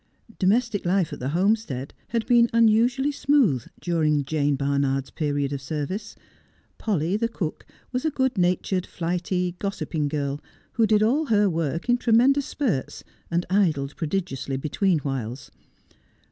Domestic life at the Homestead had been unusually smooth during Jane Barnard's period of service. Polly, the cook, was a good natured, flighty, gossiping girl, who^ did all her work in tremendous spurts, and idled prodigiously between whiles.